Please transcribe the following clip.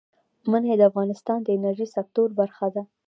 منی د افغانستان د انرژۍ سکتور برخه ده.